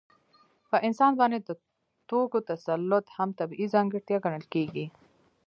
په انسان باندې د توکو تسلط هم طبیعي ځانګړتیا ګڼل کېږي